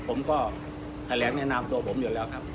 ผมก็แถลงแนะนำตัวผมอยู่แล้วครับ